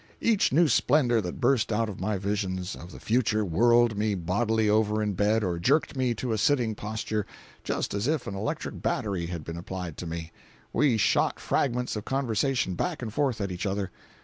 Each new splendor that burst out of my visions of the future whirled me bodily over in bed or jerked me to a sitting posture just as if an electric battery had been applied to me. We shot fragments of conversation back and forth at each other.